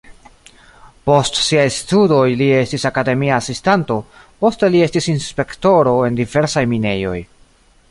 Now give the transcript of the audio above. Post siaj studoj li estis akademia asistanto, poste li estis inspektoro en diversaj minejoj.